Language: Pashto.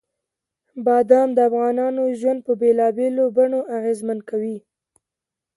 بادام د افغانانو ژوند په بېلابېلو بڼو اغېزمن کوي.